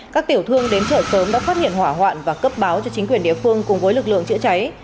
các tiểu thương đến chợ sớm đã phát hiện hỏa hoạn và cấp báo cho chính quyền địa phương cùng với lực lượng chữa cháy